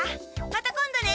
また今度ね！